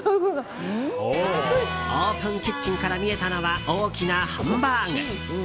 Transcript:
オープンキッチンから見えたのは、大きなハンバーグ。